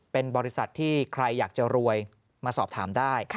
เป็นบริษัทที่ใครอยากจะรวยมาสอบถามได้